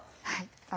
はい。